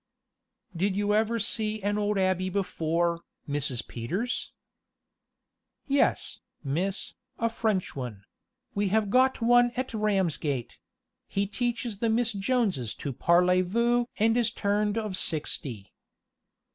"Did you ever see an old abbey before, Mrs. Peters?" "Yes, miss, a French one; we have got one at Ramsgate; he teaches the Miss Joneses to parley voo and is turned of sixty."